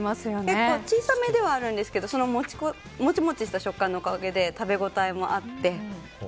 結構小さめではあるんですけどモチモチした食感のおかげで食べ応えもあって。